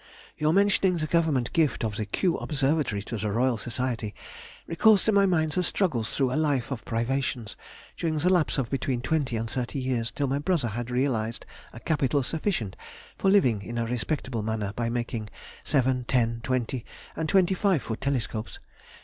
Your mentioning the Government gift of the Kew Observatory to the Royal Society, recalls to my mind the struggles through a life of privations during the lapse of between twenty and thirty years, till my brother had realised a capital sufficient for living in a respectable manner by making seven, ten, twenty, and twenty five foot telescopes.